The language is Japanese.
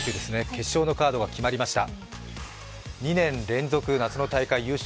決勝のカードが決まりました。